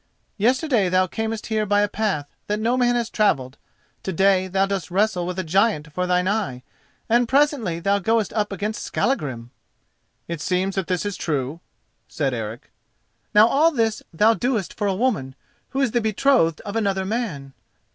"Yesterday thou camest here by a path that no man has travelled, to day thou dost wrestle with a giant for thine eye, and presently thou goest up against Skallagrim!" "It seems that this is true," said Eric. "Now all this thou doest for a woman who is the betrothed of another man."